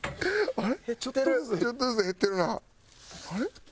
あれ？